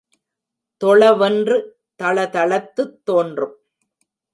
தொளவென்று தளதளத்துத் தோன்றும்.